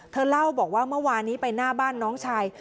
เล่าบอกว่าเมื่อวานนี้ไปหน้าบ้านน้องชาย